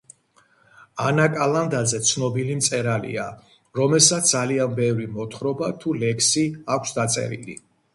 ანა კალანდაძე ცნობილი მწერალია რომელსაც ძალიან ბევრი მოთხრობა თუ ლექსი აქვს დაწერილი